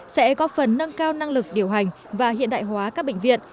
sẽ có phần nâng cao năng lực điều hành và hiện đại hóa các bệnh viện